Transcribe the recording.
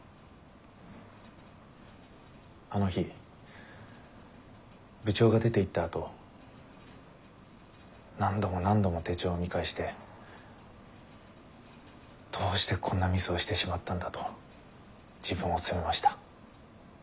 あの日部長が出ていったあと何度も何度も手帳を見返してどうしてこんなミスをしてしまったんだと自分を責めました。